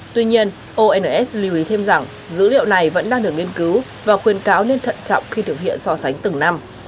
tuy nhiên ons lưu ý thêm rằng dữ liệu này vẫn đang được nghiên cứu và khuyên cáo nên thận trọng khi thực hiện so sánh từng năm